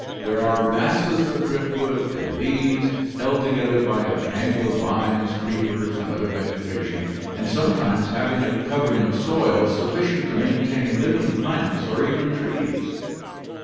These are masses of driftwood and leaves held together by a tangle of vines, creepers, and other vegetation, and sometimes having a covering of soil sufficient to maintain living plants or even trees.